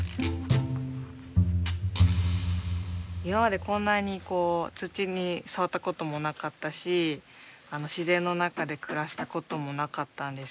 今までこんなにこう土に触ったこともなかったし自然の中で暮らしたこともなかったんですけど。